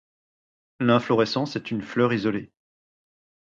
L'inflorescence est une fleur isolée.